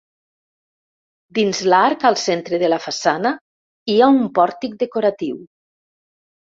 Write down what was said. Dins l'arc al centre de la façana hi ha un pòrtic decoratiu.